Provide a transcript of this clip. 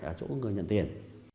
là chỗ người nhận tiền